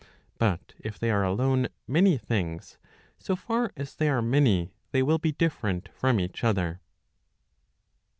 But if they are alone many things, so far as they are many they will be different from each other.